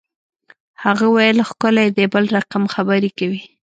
هغه ویل ښکلی دی بل رقم خبرې کوي